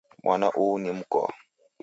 Mwana uhu ni mkoo